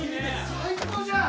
最高じゃん！